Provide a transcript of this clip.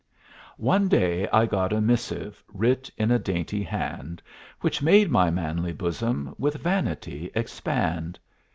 One day I got a missive Writ in a dainty hand, Which made my manly bosom With vanity expand.